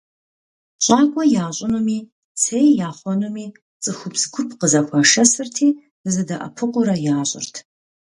ЩӀакӀуэ ящӀынуми, цей яхъуэнуми цӀыхубз гуп къызэхуашэсырти, зэдэӀэпыкъуурэ ящӀырт.